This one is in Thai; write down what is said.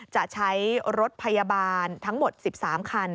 จะใช้รถพยาบาลทั้งหมด๑๓คัน